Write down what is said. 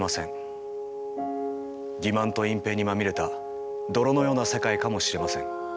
欺まんと隠蔽にまみれた泥のような世界かもしれません。